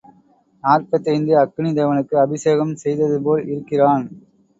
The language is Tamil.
நாற்பத்தைந்து அக்கினி தேவனுக்கு அபிஷேகம் செய்ததுபோல் இருக்கிறான்.